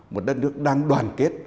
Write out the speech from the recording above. một đất nước đang đoàn kết